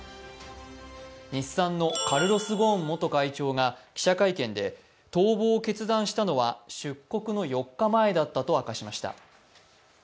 日産のカルロス・ゴーン元会長が記者会見で逃亡を決断したのは出国の４日前だったと明かしました。